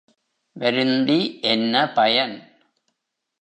வருந்தி என்ன பயன்!